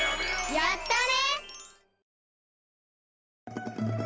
やったね！